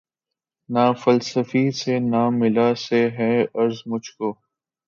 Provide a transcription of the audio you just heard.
نہ فلسفی سے نہ ملا سے ہے غرض مجھ کو